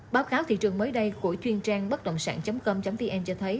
báo cáo thị trường mới đây của chuyên trang bất động sản com vn cho thấy